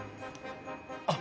あっ。